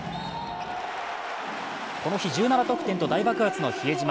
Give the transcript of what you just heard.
この日１７得点と大爆発の比江島。